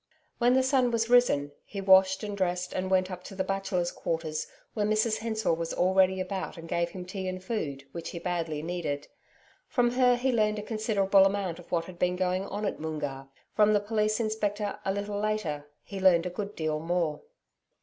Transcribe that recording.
When the sun was risen he washed and dressed and went up to the Bachelors' Quarters where Mrs Hensor was already about and gave him tea and food, which he badly needed. From her he learned a considerable amount of what had been going on at Moongarr. From the Police Inspector, a little later, he learned a good deal more.